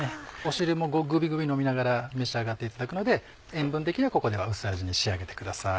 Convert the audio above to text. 汁もグビグビ飲みながら召し上がっていただくので塩分的にはここでは薄味に仕上げてください。